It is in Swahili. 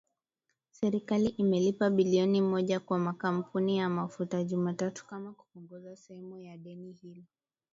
Serikali imelipa bilioni moja kwa makampuni ya mafuta Jumatatu kama kupunguza sehemu ya deni hilo